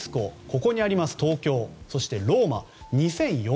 ここにあります、東京そしてローマは２０４０年代。